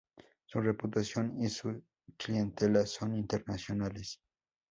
Su reputación y su clientela son internacionales.